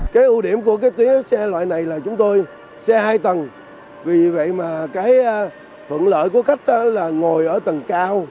cái ưu điểm của cái tuyến xe loại này là chúng tôi xe hai tầng vì vậy mà cái thuận lợi của khách là ngồi ở tầng cao